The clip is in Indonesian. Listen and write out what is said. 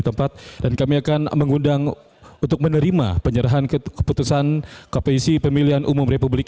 tempat dan kami akan mengundang untuk menerima penyerahan keputusan kpc pemilihan umum republik